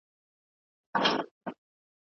ته دښمنه یې د خپلو چي تنها یې